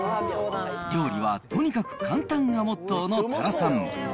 料理はとにかく簡単がモットーの多良さん。